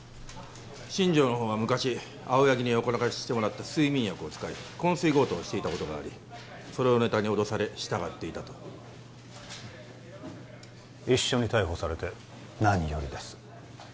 新城のほうは昔青柳に横流ししてもらった睡眠薬を使い昏睡強盗をしていたことがありそれをネタに脅され従っていたと一緒に逮捕されて何よりです